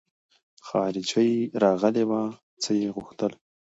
خارجۍ راغلې وه څه يې غوښتل.